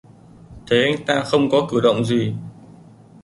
Thấy anh ta không có cử động gì